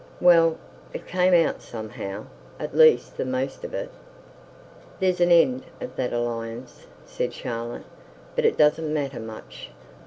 'Well, it came out somehow; at least the most of it.' 'There's an end of that alliance,' said Charlotte; 'but it doesn't matter much.